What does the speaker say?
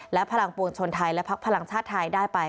และพลังปวงชนไทยและพักพลังชาติไทยได้ไป